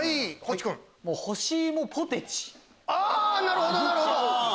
なるほど！